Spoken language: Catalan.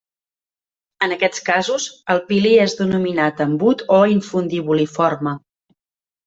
En aquests casos, el pili és denominat embut o infundibuliforme.